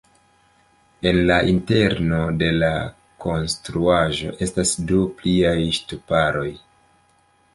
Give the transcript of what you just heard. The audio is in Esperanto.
En la interno de la konstruaĵo estas du pliaj ŝtuparoj.